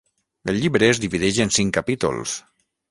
El llibre es divideix en cinc capítols.